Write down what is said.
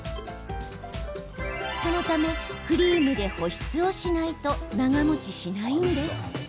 そのためクリームで保湿をしないと長もちしないんです。